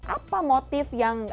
apa motif yang